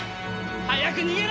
早く逃げろ！